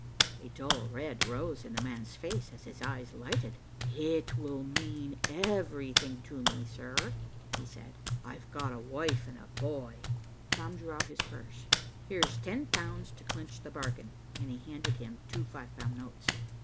A dull red rose in the man's face as his eyes lighted. "It will mean everything to me, sir," he said. "I've got a wife and a boy." Tom drew out his purse. "Here's ten pounds to clinch the bargain," and he handed him two five pound notes.